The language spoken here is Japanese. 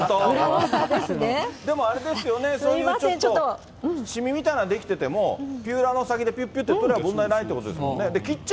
でもあれですよね、そういうちょっと、しみみたいの出来てても、ピーラーの先でぴゅっぴゅと取れば問題ないということですよね。